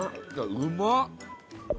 うまっ！